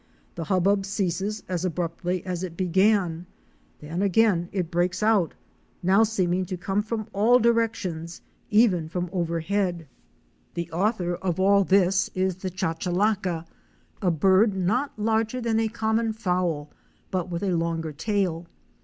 The hubbub ceases as abruptly as it began; then again it breaks out, now seeming to come from all directions, even from overhead. The author of all 24 OUR SEARCH FOR A WILDERNESS. this is the Chachalaca'— a bird not larger than a common fowl, but with a longer tail.